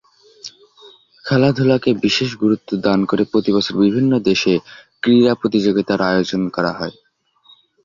খেলাধুলাকে বিশেষ গুরুত্ব দান করে প্রতিবছর বিভিন্ন দেশে ক্রীড়া প্রতিযোগিতার আয়োজন করা হয়।